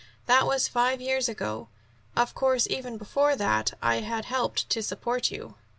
That was five years ago. Of course, even before that I had helped to support you."